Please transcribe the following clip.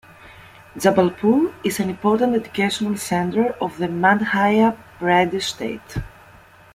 Jabalpur is an important educational centre of the Madhya Pradesh state.